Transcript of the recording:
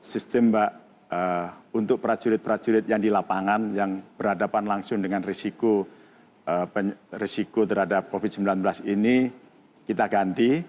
jadi sistem mbak untuk para jurid jurid yang di lapangan yang berhadapan langsung dengan risiko terhadap covid sembilan belas ini kita ganti